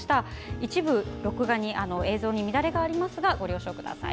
一部映像に乱れがありますがご了承ください。